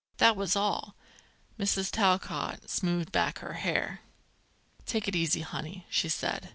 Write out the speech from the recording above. That was all." Mrs. Talcott smoothed back her hair. "Take it easy, honey," she said.